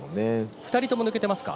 ２人とも抜けてますか？